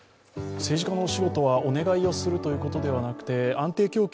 政治家のお仕事は、お願いをするということではなくて、安定供給